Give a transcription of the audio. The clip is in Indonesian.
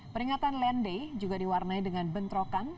peringatan land day juga diwarnai dengan bentrokan